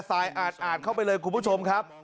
สายอาดเข้าไปเลยคุณผู้ชมครับ